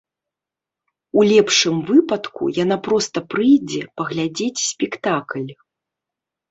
У лепшым выпадку яна проста прыйдзе паглядзець спектакль.